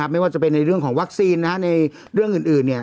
ไม่ว่าจะเป็นในเรื่องของวัคซีนในเรื่องอื่น